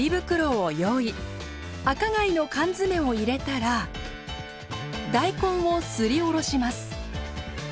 赤貝の缶詰を入れたら大根をすりおろします。